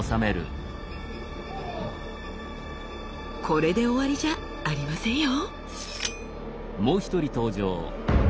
これで終わりじゃありませんよ！